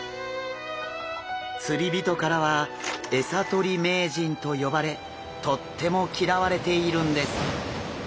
釣り人からは「エサ取り名人」と呼ばれとっても嫌われているんです。